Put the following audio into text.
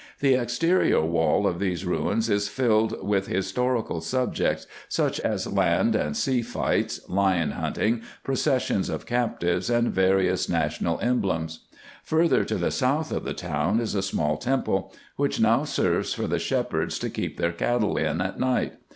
The exterior wall of these ruins is filled IN EGYPT, NUBIA, &c. 123 with historical subjects, such as land and sea fights, lion hunting, processions of captives, and various national emblems. Further to the south of the town is a small temple, which now serves for the shepherds to keep their cattle in at night.